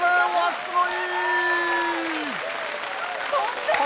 すごい。